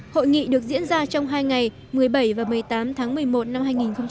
hội nghị được diễn ra trong hai ngày một mươi bảy và một mươi tám tháng một mươi một năm hai nghìn một mươi tám